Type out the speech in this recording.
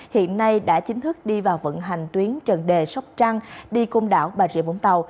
hiện nay đã chính thức đi vào vận hành tuyến trần đề sóc trăng đi công đảo bà rịa vũng tàu